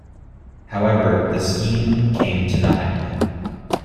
However, the scheme came to nothing.